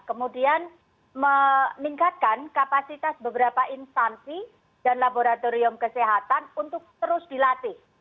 kemudian meningkatkan kapasitas beberapa instansi dan laboratorium kesehatan untuk terus dilatih